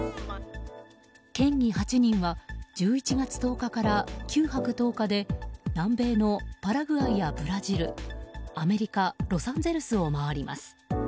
県議８人は１１月１０日から９泊１０日で南米のパラグアイやブラジルアメリカ・ロサンゼルスを回ります。